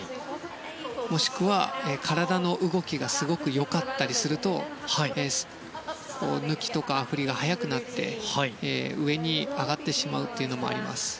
もしくは、体の動きがすごく良かったりすると抜きとか、振りが速くなって上に上がってしまうのもあります。